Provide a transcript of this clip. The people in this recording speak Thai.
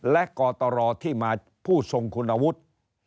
และกตรที่มาผู้ทรงคุณวุฒิ